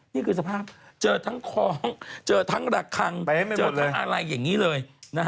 นี่คือสภาพเจอทั้งคล้องเจอทั้งระคังเจอทั้งอะไรอย่างนี้เลย